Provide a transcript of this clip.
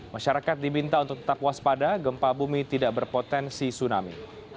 masyarakat diminta untuk tetap waspada gempa bumi tidak berpotensi tsunami